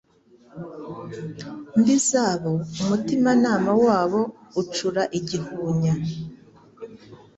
mbi zabo, umutimanama wabo ucura igihunya